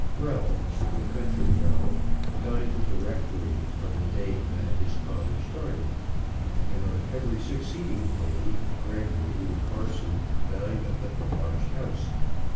Ralph, the country Ralph, dined at the Rectory on the day that his father started; and on every succeeding day, Gregory, the parson, dined up at the large house.